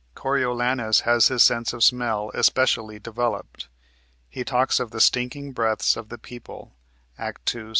Coriolanus has his sense of smell especially developed. He talks of the "stinking breaths" of the people (Act 2, Sc.